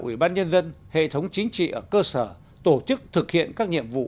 ủy ban nhân dân hệ thống chính trị ở cơ sở tổ chức thực hiện các nhiệm vụ